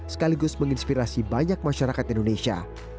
sekaligus menginspirasi banyak masyarakat indonesia